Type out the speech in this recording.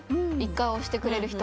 １階を押してくれる人。